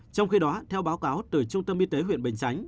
trong khi đó theo báo cáo từ trung tâm y tế huyện bình chánh